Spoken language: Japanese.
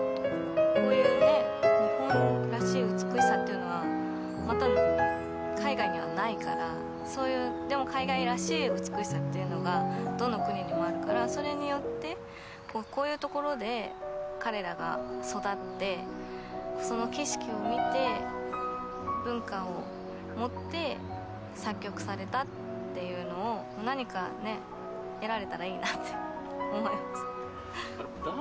こういうね日本らしい美しさっていうのはまた海外にはないからそういうでも海外らしい美しさっていうのがどの国にもあるからそれによってこういう所で彼らが育ってその景色を見て文化を持って作曲されたっていうのを何か得られたらいいなって思います。